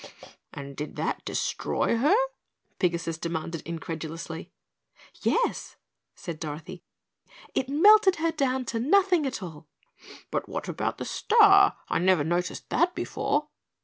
"And did that destroy her?" Pigasus demanded incredulously. "Yes," said Dorothy, "it melted her down to nothing at all." "But what about the star? I never noticed that before?"